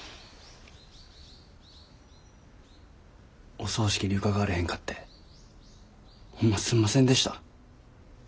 お葬式に伺われへんかってホンマすんませんでした。